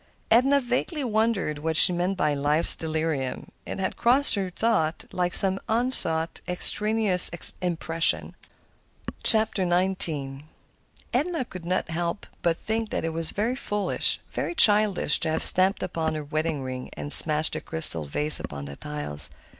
Edna vaguely wondered what she meant by "life's delirium." It had crossed her thought like some unsought, extraneous impression. XIX Edna could not help but think that it was very foolish, very childish, to have stamped upon her wedding ring and smashed the crystal vase upon the tiles.